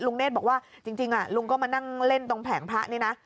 เนธบอกว่าจริงลุงก็มานั่งเล่นตรงแผงพระนี่นะ